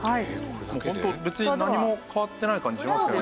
ホント別に何も変わってない感じしますよね。